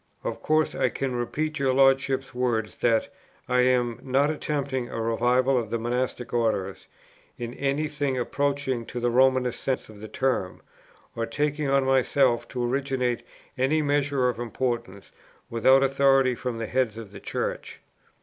Of course I can repeat your Lordship's words that 'I am not attempting a revival of the Monastic Orders, in any thing approaching to the Romanist sense of the term,' or 'taking on myself to originate any measure of importance without authority from the Heads of the Church.'